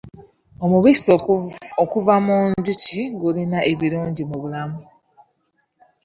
Omubisi okuva mu njuki gulina ebirungi mu bulamu.